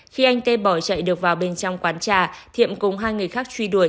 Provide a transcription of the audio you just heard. khi anh t bỏ chạy được vào bên trong quán trà thiệm cùng hai người khác truy đuổi